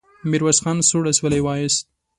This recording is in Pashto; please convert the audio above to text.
ميرويس خان سوړ اسويلی وايست.